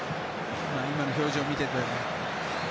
今の表情を見ていても。